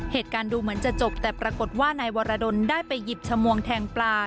เหตุการณ์ดูเหมือนจะจบแต่ปรากฏว่านายวรดลได้ไปหยิบชมวงแทงปลา